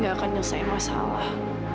gak akan nyelesai masalah